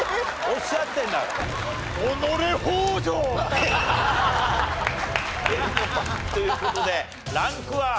おっしゃってるんだから。という事でランクは？